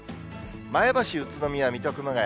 前橋、宇都宮、水戸、熊谷。